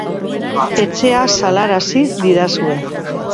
Etxea salarazi didazue.